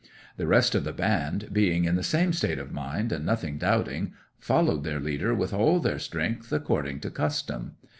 The rest of the band, being in the same state of mind and nothing doubting, followed their leader with all their strength, according to custom.